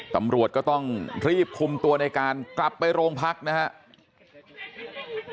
ตำรวจก็ต้องรีบคุมตัวในการกลับไปโรงพักนะครับ